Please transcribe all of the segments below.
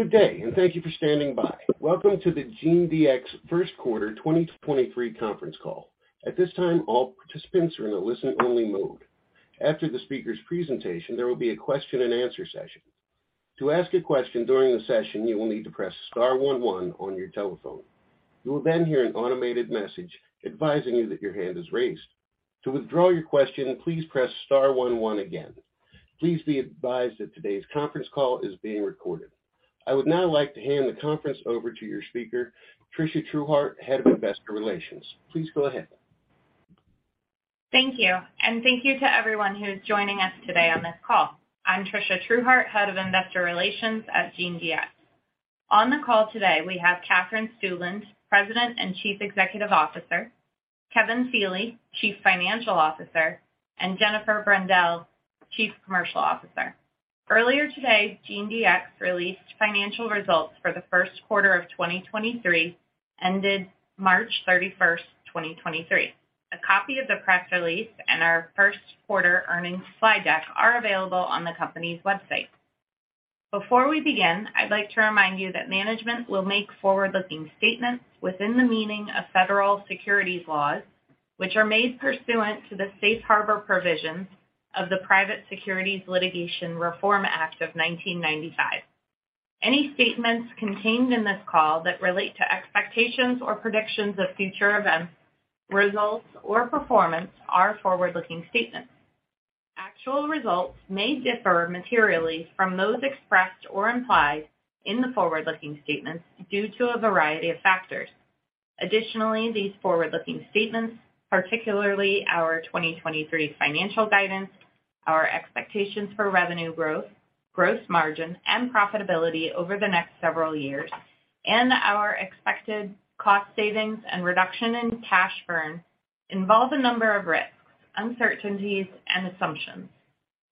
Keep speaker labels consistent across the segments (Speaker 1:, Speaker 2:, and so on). Speaker 1: Good day, thank you for standing by. Welcome to the GeneDx first quarter 2023 conference call. At this time, all participants are in a listen-only mode. After the speaker's presentation, there will be a question-and-answer session. To ask a question during the session, you will need to press star one, one on your telephone. You will hear an automated message advising you that your hand is raised. To withdraw your question, please press star one, one again. Please be advised that today's conference call is being recorded. I would now like to hand the conference over to your speaker, Tricia Truehart, Head of Investor Relations. Please go ahead.
Speaker 2: Thank you and thank you to everyone who's joining us today on this call. I'm Tricia Truehart, Head of Investor Relations at GeneDx. On the call today we have Katherine Stueland, President and Chief Executive Officer, Kevin Feeley, Chief Financial Officer, and Jennifer Brendel, Chief Commercial Officer. Earlier today, GeneDx released financial results for the first quarter of 2023, ended 31 March 2023. A copy of the press release and our first quarter earnings slide deck are available on the company's website. Before we begin, I'd like to remind you that management will make forward-looking statements within the meaning of federal securities laws, which are made pursuant to the safe harbor provisions of the Private Securities Litigation Reform Act of 1995. Any statements contained in this call that relate to expectations or predictions of future events, results, or performance are forward-looking statements. Actual results may differ materially from those expressed or implied in the forward-looking statements due to a variety of factors. Additionally, these forward-looking statements, particularly our 2023 financial guidance, our expectations for revenue growth, gross margin, and profitability over the next several years, and our expected cost savings and reduction in cash burn, involve a number of risks, uncertainties, and assumptions.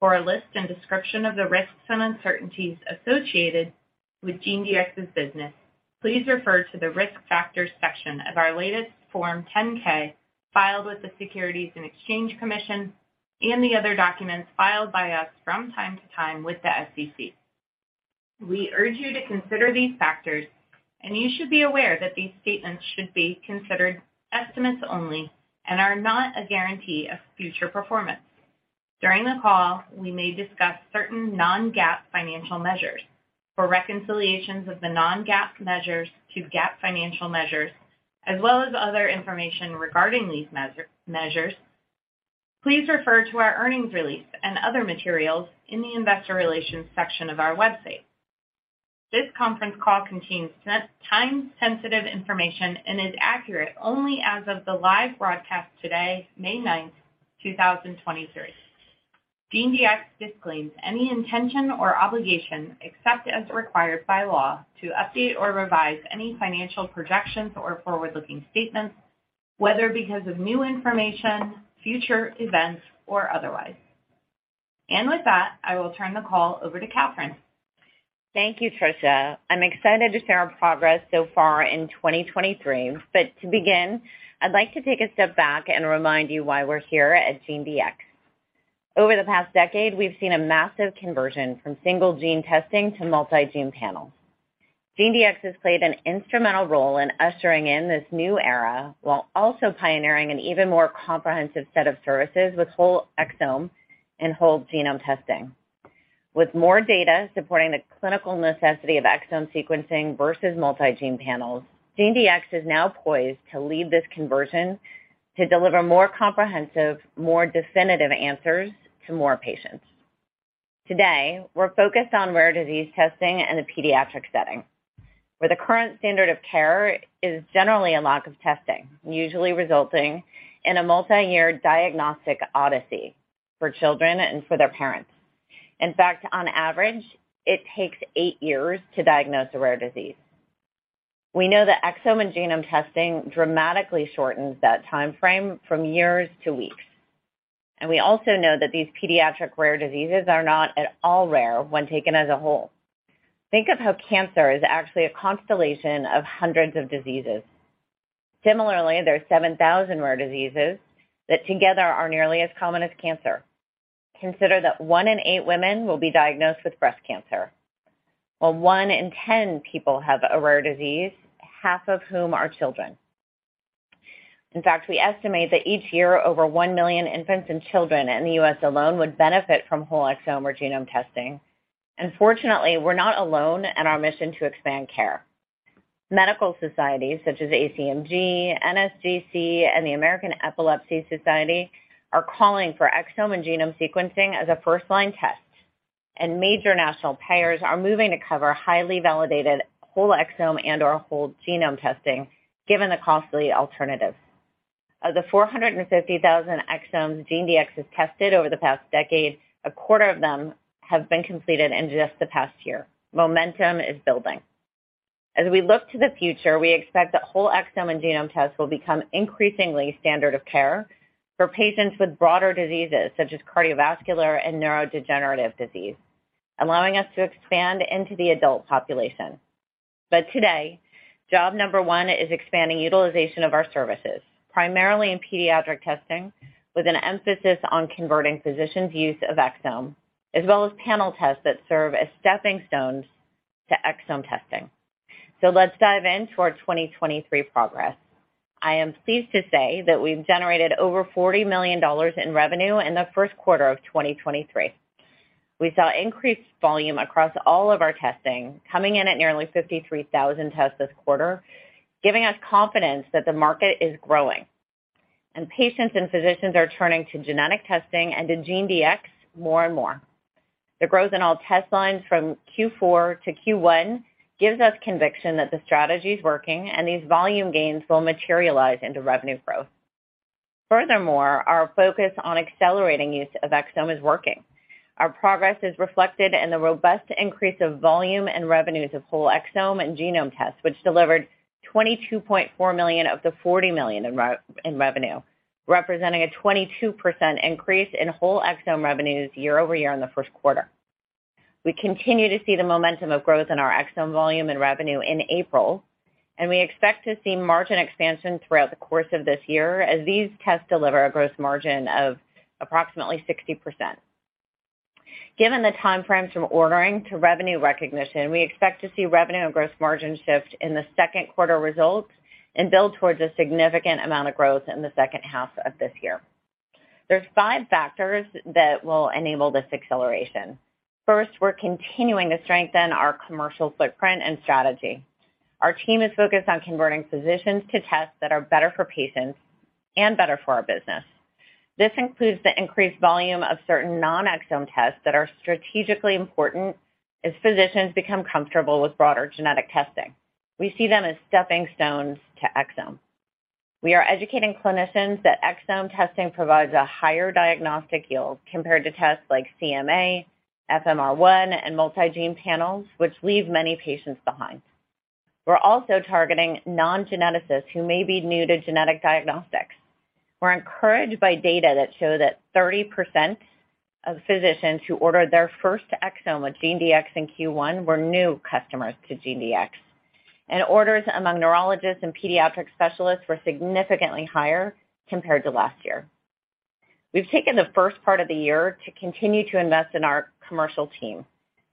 Speaker 2: For a list and description of the risks and uncertainties associated with GeneDx's business, please refer to the Risk Factors section of our latest Form 10-K filed with the Securities and Exchange Commission and the other documents filed by us from time to time with the SEC. We urge you to consider these factors, and you should be aware that these statements should be considered estimates only and are not a guarantee of future performance. During the call, we may discuss certain non-GAAP financial measures. For reconciliations of the non-GAAP measures to GAAP financial measures, as well as other information regarding these measures, please refer to our earnings release and other materials in the Investor Relations section of our website. This conference call contains time sensitive information and is accurate only as of the live broadcast today, 9 May 2023. GeneDx disclaims any intention or obligation, except as required by law, to update or revise any financial projections or forward-looking statements, whether because of new information, future events, or otherwise. With that, I will turn the call over to Katherine.
Speaker 3: Thank you, Tricia. I'm excited to share our progress so far in 2023. To begin, I'd like to take a step back and remind you why we're here at GeneDx. Over the past decade, we've seen a massive conversion from single-gene testing to multi-gene panels. GeneDx has played an instrumental role in ushering in this new era, while also pioneering an even more comprehensive set of services with whole exome and whole genome testing. With more data supporting the clinical necessity of exome sequencing versus multi-gene panels, GeneDx is now poised to lead this conversion to deliver more comprehensive, more definitive answers to more patients. Today, we're focused on rare disease testing in the pediatric setting, where the current standard of care is generally a lack of testing, usually resulting in a multi-year diagnostic odyssey for children and for their parents. In fact, on average, it takes eight years to diagnose a rare disease. We know that exome and genome testing dramatically shortens that timeframe from years to weeks, and we also know that these pediatric rare diseases are not at all rare when taken as a whole. Think of how cancer is actually a constellation of hundreds of diseases. Similarly, there are 7,000 rare diseases that together are nearly as common as cancer. Consider that one in eight women will be diagnosed with breast cancer, while one in 10 people have a rare disease, half of whom are children. In fact, we estimate that each year, over 1 million infants and children in the US alone would benefit from whole exome or genome testing. Fortunately, we're not alone in our mission to expand care. Medical societies such as ACMG, NSGC, and the American Epilepsy Society are calling for exome and genome sequencing as a first-line test, and major national payers are moving to cover highly validated whole exome and/or whole genome testing, given the costly alternative. Of the 450,000 exomes GeneDx has tested over the past decade, a quarter of them have been completed in just the past year. Momentum is building. As we look to the future, we expect that whole exome and genome tests will become increasingly standard of care for patients with broader diseases such as cardiovascular and neurodegenerative disease, allowing us to expand into the adult population. Today, job number one is expanding utilization of our services, primarily in pediatric testing, with an emphasis on converting physicians' use of exome, as well as panel tests that serve as steppingstones to exome testing. Let's dive into our 2023 progress. I am pleased to say that we've generated over $40 million in revenue in the first quarter of 2023. We saw increased volume across all of our testing, coming in at nearly 53,000 tests this quarter, giving us confidence that the market is growing, and patients and physicians are turning to genetic testing and to GeneDx more and more. The growth in all test lines from fourth quarter to first quarter gives us conviction that the strategy is working and these volume gains will materialize into revenue growth. Furthermore, our focus on accelerating use of exome is working. Our progress is reflected in the robust increase of volume and revenues of whole exome and genome tests, which delivered $22.4 million of the $40 million in revenue, representing a 22% increase in whole exome revenues year-over-year in the first quarter. We continue to see the momentum of growth in our exome volume and revenue in April. We expect to see margin expansion throughout the course of this year as these tests deliver a gross margin of approximately 60%. Given the time frame from ordering to revenue recognition, we expect to see revenue and gross margin shift in the second quarter results and build towards a significant amount of growth in the second half of this year. There's five factors that will enable this acceleration. First, we're continuing to strengthen our commercial footprint and strategy. Our team is focused on converting physicians to tests that are better for patients and better for our business. This includes the increased volume of certain non-exome tests that are strategically important as physicians become comfortable with broader genetic testing. We see them as stepping stones to exome. We are educating clinicians that exome testing provides a higher diagnostic yield compared to tests like CMA, FMR1, and multi-gene panels, which leave many patients behind. We're also targeting non-geneticists who may be new to genetic diagnostics. We're encouraged by data that show that 30% of physicians who ordered their first exome with GeneDx in first quarter were new customers to GeneDx, and orders among neurologists and pediatric specialists were significantly higher compared to last year. We've taken the first part of the year to continue to invest in our commercial team.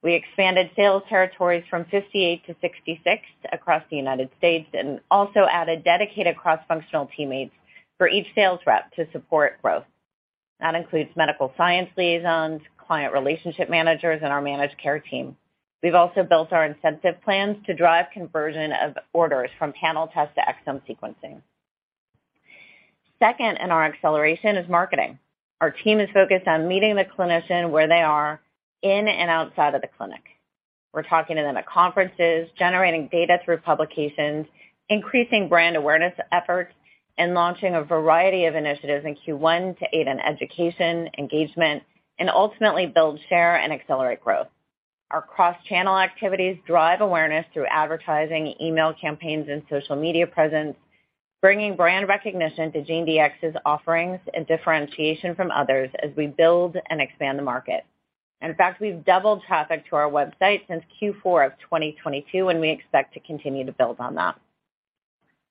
Speaker 3: We expanded sales territories from 58% to 66% across the United States and also added dedicated cross-functional teammates for each sales rep to support growth. That includes medical science liaisons, client relationship managers, and our managed care team. We've also built our incentive plans to drive conversion of orders from panel tests to exome sequencing. Second in our acceleration is marketing. Our team is focused on meeting the clinician where they are in and outside of the clinic. We're talking to them at conferences, generating data through publications, increasing brand awareness efforts, and launching a variety of initiatives in first quarter to aid in education, engagement, and ultimately build share and accelerate growth. Our cross-channel activities drive awareness through advertising, email campaigns, and social media presence, bringing brand recognition to GeneDx's offerings and differentiation from others as we build and expand the market. In fact, we've doubled traffic to our website since fourth quarter of 2022, and we expect to continue to build on that.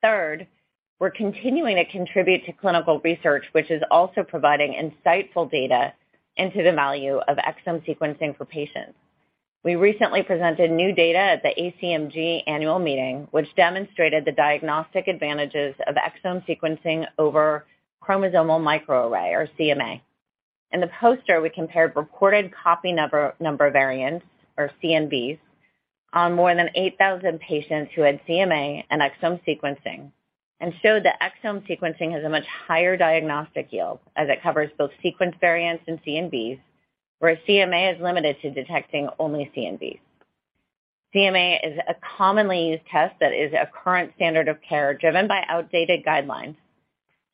Speaker 3: Third, we're continuing to contribute to clinical research, which is also providing insightful data into the value of exome sequencing for patients. We recently presented new data at the ACMG annual meeting, which demonstrated the diagnostic advantages of exome sequencing over chromosomal microarray, or CMA. In the poster, we compared reported copy number variants, or CNVs, on more than 8,000 patients who had CMA and exome sequencing and showed that exome sequencing has a much higher diagnostic yield, as it covers both sequence variants and CNVs, where CMA is limited to detecting only CNVs. CMA is a commonly used test that is a current standard of care driven by outdated guidelines.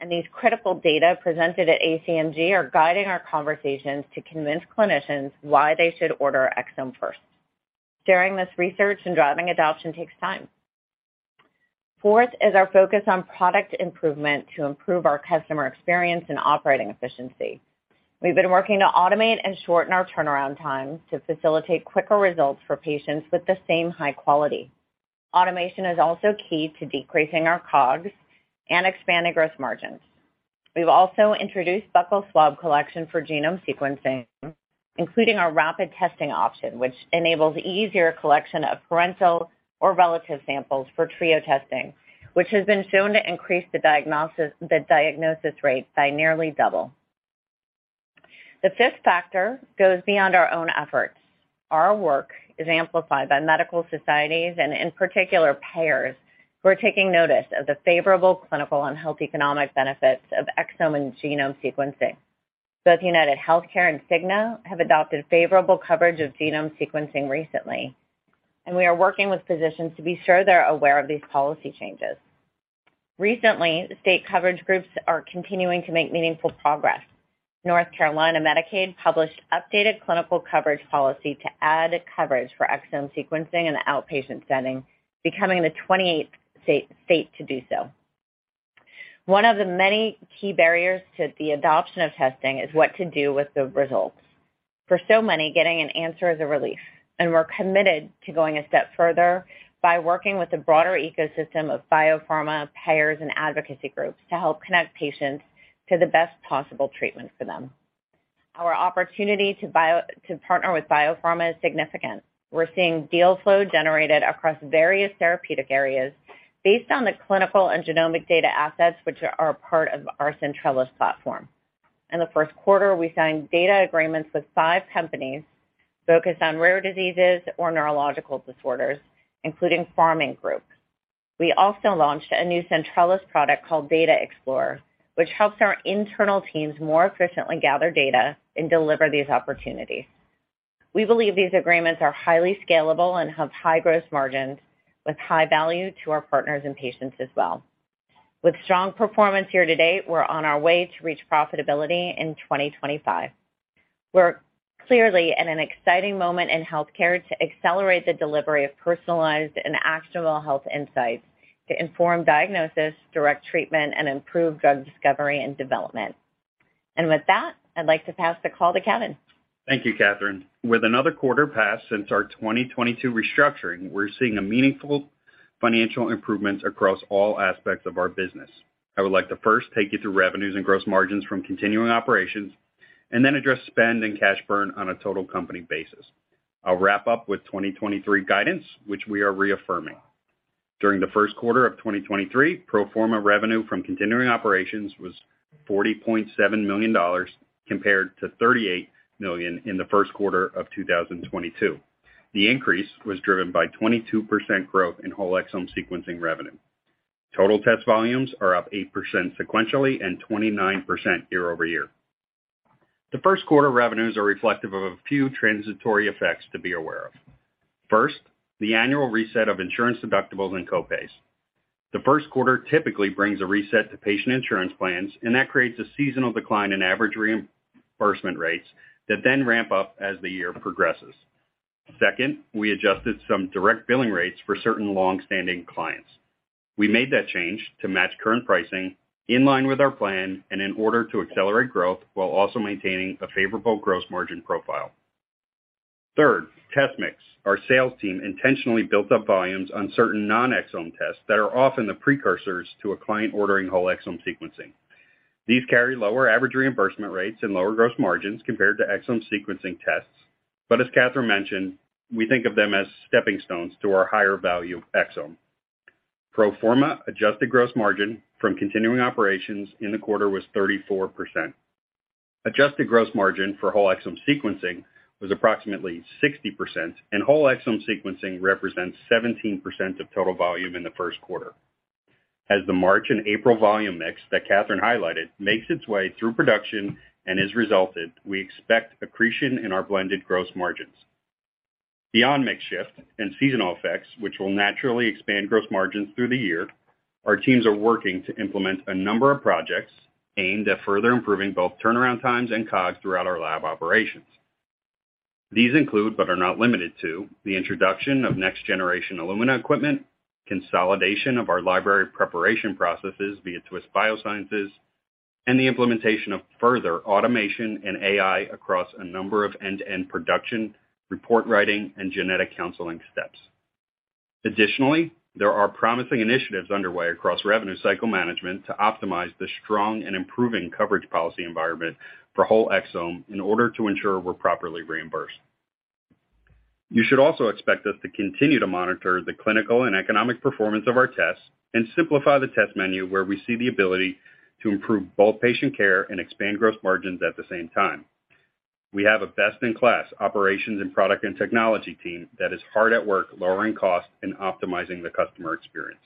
Speaker 3: These critical data presented at ACMG are guiding our conversations to convince clinicians why they should order exome first. Sharing this research and driving adoption takes time. Fourth is our focus on product improvement to improve our customer experience and operating efficiency. We've been working to automate and shorten our turnaround time to facilitate quicker results for patients with the same high quality. Automation is also key to decreasing our COGS and expanding gross margins. We've also introduced buccal swab collection for genome sequencing, including our rapid testing option, which enables easier collection of parental or relative samples for trio testing, which has been shown to increase the diagnosis rate by nearly double. The fifth factor goes beyond our own efforts. Our work is amplified by medical societies and in particular payers who are taking notice of the favorable clinical and health economic benefits of exome and genome sequencing. Both UnitedHealthcare and Cigna have adopted favorable coverage of genome sequencing recently. We are working with physicians to be sure they're aware of these policy changes. Recently, state coverage groups are continuing to make meaningful progress. North Carolina Medicaid published updated clinical coverage policy to add coverage for exome sequencing in the outpatient setting, becoming the 28th state to do so. One of the many key barriers to the adoption of testing is what to do with the results. For so many, getting an answer is a relief. We're committed to going a step further by working with a broader ecosystem of biopharma payers and advocacy groups to help connect patients to the best possible treatment for them. Our opportunity to partner with biopharma is significant. We're seeing deal flow generated across various therapeutic areas based on the clinical and genomic data assets, which are a part of our Centrellis platform. In the first quarter, we signed data agreements with five companies focused on rare diseases or neurological disorders, including Pharming Group. We also launched a new Centrellis product called Data Explorer, which helps our internal teams more efficiently gather data and deliver these opportunities. We believe these agreements are highly scalable and have high gross margins with high value to our partners and patients as well. With strong performance year-to-date, we're on our way to reach profitability in 2025. We're clearly at an exciting moment in healthcare to accelerate the delivery of personalized and actionable health insights to inform diagnosis, direct treatment, and improve drug discovery and development. With that, I'd like to pass the call to Kevin.
Speaker 4: Thank you, Katherine. With another quarter passed since our 2022 restructuring, we're seeing a meaningful financial improvement across all aspects of our business. I would like to first take you through revenues and gross margins from continuing operations, and then address spend and cash burn on a total company basis. I'll wrap up with 2023 guidance, which we are reaffirming. During the first quarter of 2023, pro forma revenue from continuing operations was $40.7 million, compared to $38 million in the first quarter of 2022. The increase was driven by 22% growth in whole exome sequencing revenue. Total test volumes are up 8% sequentially and 29% year-over-year. The first quarter revenues are reflective of a few transitory effects to be aware of. First, the annual reset of insurance deductibles and co-pays. The first quarter typically brings a reset to patient insurance plans. That creates a seasonal decline in average reimbursement rates that then ramp up as the year progresses. Second, we adjusted some direct billing rates for certain long-standing clients. We made that change to match current pricing in line with our plan and in order to accelerate growth while also maintaining a favorable gross margin profile. Third, test mix. Our sales team intentionally built up volumes on certain non-exome tests that are often the precursors to a client ordering whole exome sequencing. These carry lower average reimbursement rates and lower gross margins compared to exome sequencing tests. As Katherine mentioned, we think of them as steppingstones to our higher value exome. Pro forma adjusted gross margin from continuing operations in the quarter was 34%. Adjusted gross margin for whole exome sequencing was approximately 60%, and whole exome sequencing represents 17% of total volume in the first quarter. As the March and April volume mix that Katherine highlighted makes its way through production and is resulted, we expect accretion in our blended gross margins. Beyond mix shift and seasonal effects, which will naturally expand gross margins through the year, our teams are working to implement a number of projects aimed at further improving both turnaround times and COGS throughout our lab operations. These include, but are not limited to, the introduction of next-generation Illumina equipment, consolidation of our library preparation processes via Twist Bioscience, and the implementation of further automation and AI across a number of end-to-end production, report writing, and genetic counseling steps. Additionally, there are promising initiatives underway across revenue cycle management to optimize the strong and improving coverage policy environment for whole exome in order to ensure we're properly reimbursed. You should also expect us to continue to monitor the clinical and economic performance of our tests and simplify the test menu where we see the ability to improve both patient care and expand gross margins at the same time. We have a best-in-class operations and product and technology team that is hard at work lowering costs and optimizing the customer experience.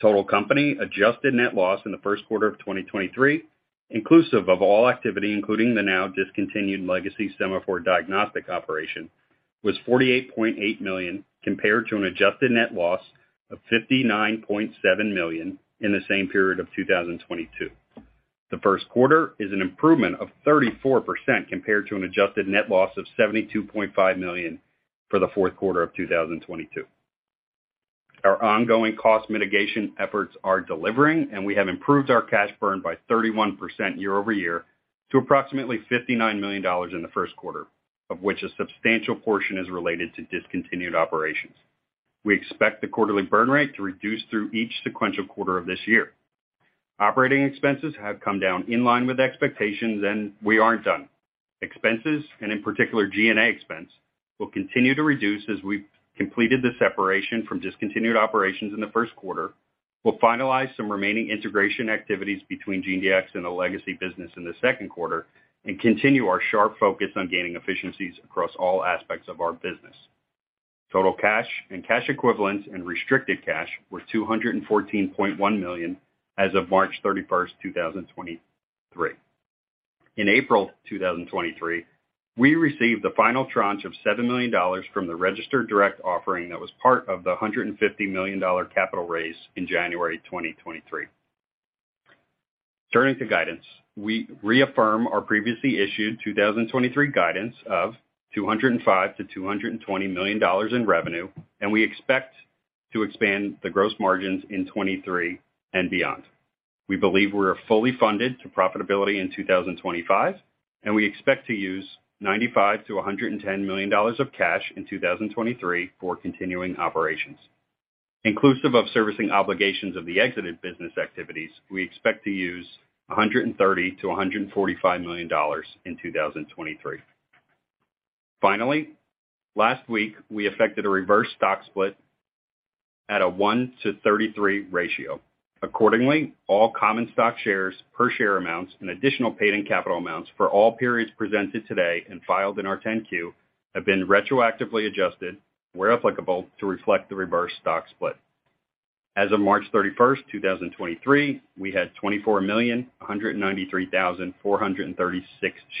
Speaker 4: Total company adjusted net loss in the first quarter of 2023, inclusive of all activity, including the now discontinued legacy Sema4 diagnostic operation, was $48.8 million, compared to an adjusted net loss of $59.7 million in the same period of 2022. The first quarter is an improvement of 34% compared to an adjusted net loss of $72.5 million for the fourth quarter of 2022. Our ongoing cost mitigation efforts are delivering, and we have improved our cash burn by 31% year-over-year to approximately $59 million in the first quarter, of which a substantial portion is related to discontinued operations. We expect the quarterly burn rate to reduce through each sequential quarter of this year. Operating expenses have come down in line with expectations, and we aren't done. Expenses, and in particular G&A expense, will continue to reduce as we've completed the separation from discontinued operations in the first quarter. We'll finalize some remaining integration activities between GeneDx and the legacy business in the second quarter and continue our sharp focus on gaining efficiencies across all aspects of our business. Total cash and cash equivalents and restricted cash were $214.1 million as of 31 March 2023. In April 2023, we received the final tranche of $7 million from the registered direct offering that was part of the $150 million capital raise in January 2023. Turning to guidance. We reaffirm our previously issued 2023 guidance of $205 to 220 million in revenue, and we expect to expand the gross margins in 2023 and beyond. We believe we are fully funded to profitability in 2025, and we expect to use $95 to 110 million of cash in 2023 for continuing operations. Inclusive of servicing obligations of the exited business activities, we expect to use $130 to 145 million in 2023. Last week, we affected a reverse stock split at a one-to-33 ratio. Accordingly, all common stock shares, per share amounts and additional paid in capital amounts for all periods presented today and filed in our 10-Q have been retroactively adjusted, where applicable, to reflect the reverse stock split. As of 31 March 2023, we had 24,193,436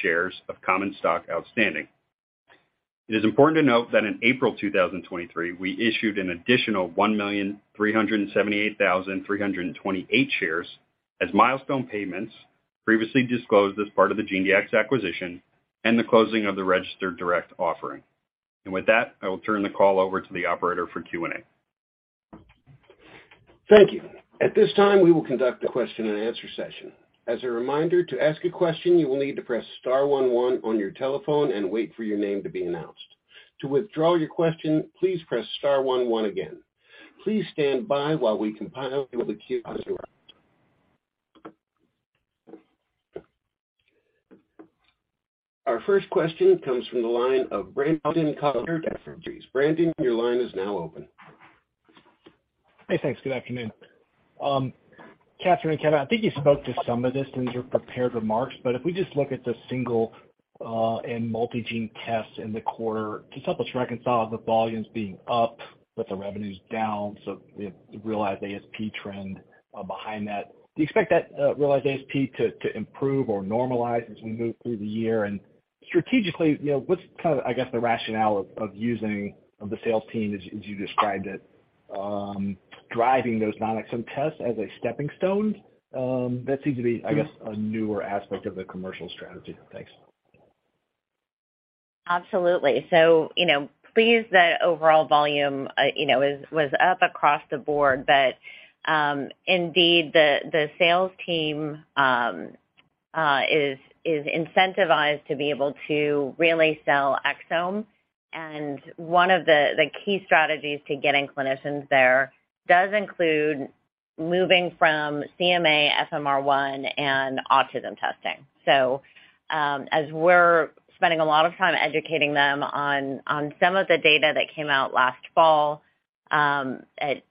Speaker 4: shares of common stock outstanding. It is important to note that in April 2023, we issued an additional 1,378,328 shares as milestone payments previously disclosed as part of the GeneDx acquisition and the closing of the registered direct offering. With that, I will turn the call over to the operator for Q&A.
Speaker 1: Thank you. At this time, we will conduct a question-and-answer session. As a reminder, to ask a question, you will need to press star one, one on your telephone and wait for your name to be announced. To withdraw your question, please press star one, one again. Please stand by while we compile the queue. Our first question comes from the line of Brandon Couillard at Jefferies. Brandon, your line is now open.
Speaker 5: Hey, thanks. Good afternoon. Katherine Stueland and Kevin, I think you spoke to some of this in your prepared remarks, but if we just look at the single, and multi-gene tests in the quarter, just help us reconcile the volumes being up with the revenues down. The realized ASP trend behind that. Do you expect that realized ASP to improve or normalize as we move through the year? Strategically, you know, what's kind of, I guess, the rationale of using of the sales team as you described it, driving those non-exome tests as a steppingstone? That seems to be, I guess, a newer aspect of the commercial strategy. Thanks.
Speaker 3: Absolutely. You know, pleased that overall volume, you know, was up across the board. Indeed, the sales team is incentivized to be able to really sell exome. One of the key strategies to getting clinicians there does include moving from CMA, SMN1, and autism testing. As we're spending a lot of time educating them on some of the data that came out last fall at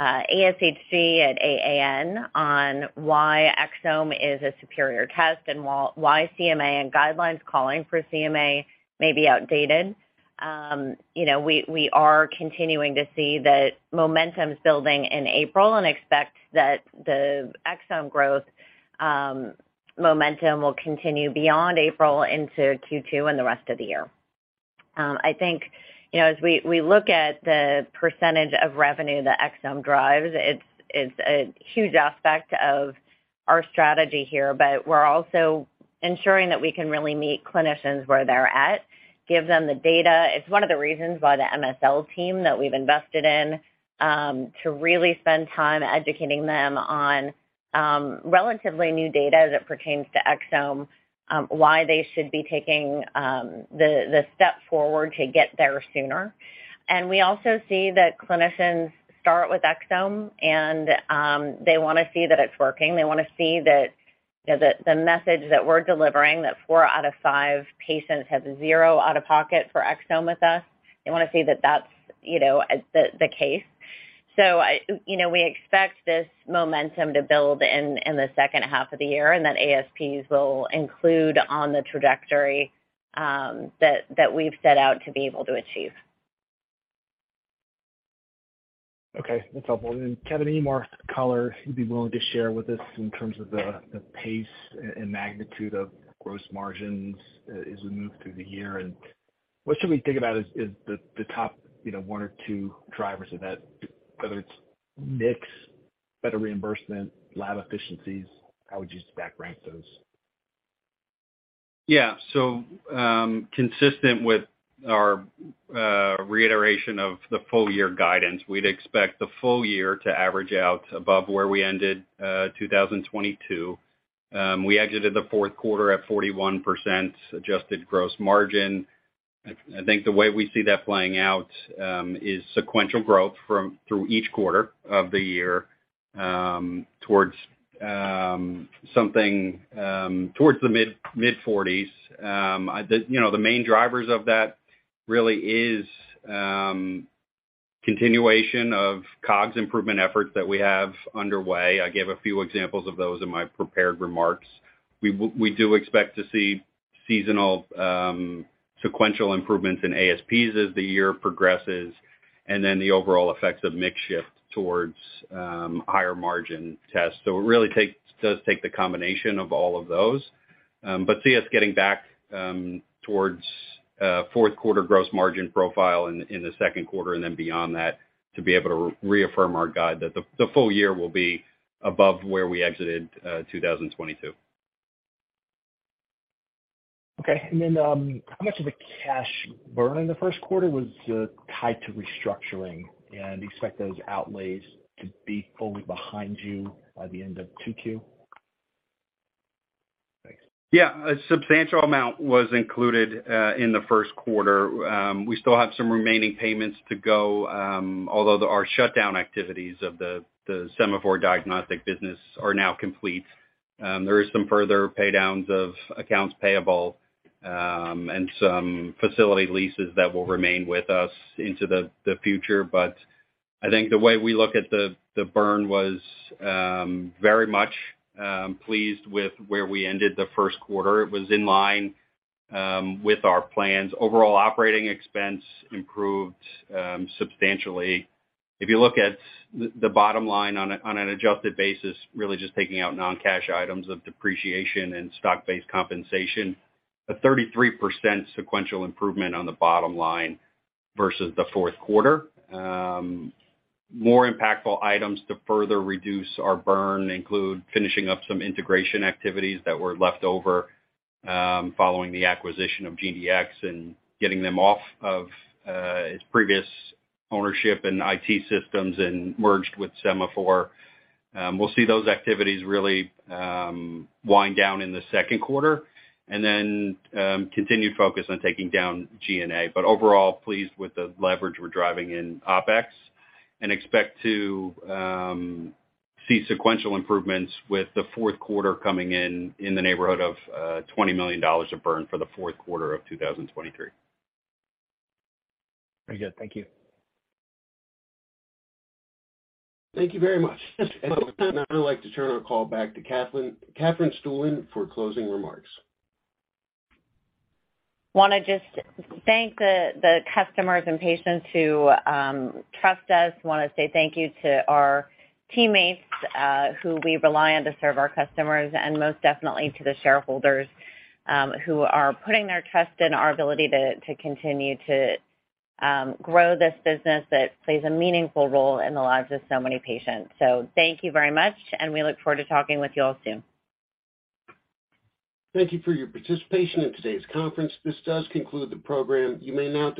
Speaker 3: ASHG at AAN on why exome is a superior test and why CMA and guidelines calling for CMA may be outdated. You know, we are continuing to see that momentum's building in April and expect that the exome growth momentum will continue beyond April into second quarter and the rest of the year. I think, you know, as we look at the percentage of revenue that exome drives, it's a huge aspect of our strategy here. We're also ensuring that we can really meet clinicians where they're at, give them the data. It's one of the reasons why the MSL team that we've invested in to really spend time educating them on relatively new data as it pertains to exome, why they should be taking the step forward to get there sooner. We also see that clinicians start with exome and they wanna see that it's working. They wanna see that, you know, the message that we're delivering, that four out of five patients have zero out-of-pocket for exome with us, they wanna see that that's, you know, the case. You know, we expect this momentum to build in the second half of the year, and that ASPs will include on the trajectory, that we've set out to be able to achieve.
Speaker 5: Okay, that's helpful. Kevin, any more color you'd be willing to share with us in terms of the pace and magnitude of gross margins as we move through the year? What should we think about as the top, you know, one or two drivers of that, whether it's mix, better reimbursement, lab efficiencies? How would you back rank those?
Speaker 4: Yeah. Consistent with our reiteration of the full year guidance, we'd expect the full year to average out above where we ended 2022. We exited the fourth quarter at 41% adjusted gross margin. I think the way we see that playing out is sequential growth from through each quarter of the year towards something towards the mid-forties. The, you know, the main drivers of that really is continuation of COGS improvement efforts that we have underway. I gave a few examples of those in my prepared remarks. We do expect to see seasonal sequential improvements in ASPs as the year progresses, and then the overall effects of mix shift towards higher margin tests. It really does take the combination of all of those but see us getting back towards fourth quarter gross margin profile in the second quarter and then beyond that to be able to reaffirm our guide that the full year will be above where we exited 2022.
Speaker 5: Okay. How much of the cash burn in the first quarter was tied to restructuring? Do you expect those outlays to be fully behind you by the end of second quarter? Thanks.
Speaker 4: A substantial amount was included in the first quarter. We still have some remaining payments to go, although our shutdown activities of the Sema4 Diagnostic business are now complete. There is some further pay downs of accounts payable and some facility leases that will remain with us into the future. I think the way we look at the burn was very much pleased with where we ended the first quarter. It was in line with our plans. Overall operating expense improved substantially. If you look at the bottom line on an adjusted basis, really just taking out non-cash items of depreciation and stock-based compensation, a 33% sequential improvement on the bottom line versus the fourth quarter. More impactful items to further reduce our burn include finishing up some integration activities that were left over, following the acquisition of GDX and getting them off of its previous ownership and IT systems and merged with Sema4. We'll see those activities really wind down in the second quarter. Continued focus on taking down G&A. Overall, pleased with the leverage we're driving in OpEx and expect to see sequential improvements with the fourth quarter coming in in the neighborhood of $20 million of burn for the fourth quarter of 2023.
Speaker 5: Very good. Thank you.
Speaker 1: Thank you very much. At this time, I would like to turn our call back to Katherine Stueland for closing remarks.
Speaker 3: Wanna just thank the customers and patients who trust us. Wanna say thank you to our teammates, who we rely on to serve our customers, and most definitely to the shareholders, who are putting their trust in our ability to continue to grow this business that plays a meaningful role in the lives of so many patients. Thank you very much, and we look forward to talking with you all soon.
Speaker 1: Thank you for your participation in today's conference. This does conclude the program. You may now disconnect.